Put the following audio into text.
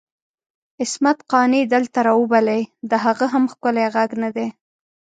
عصمت قانع دلته راوبلئ د هغه هم ښکلی ږغ ندی؟!